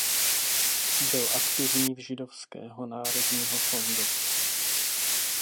Byl aktivní v Židovského národního fondu.